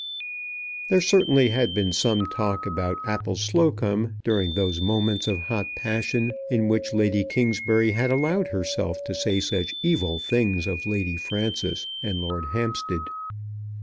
There certainly had been some talk about Appleslocombe during those moments of hot passion in which Lady Kingsbury had allowed herself to say such evil things of Lady Frances and Lord Hampstead.